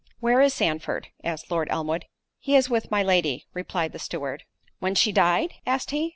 "Where is Sandford?" asked Lord Elmwood. "He was with my Lady," replied the steward. "When she died?" asked he.